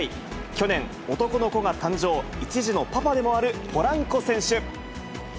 去年、男の子が誕生、１児のパパでもあるポランコ選手。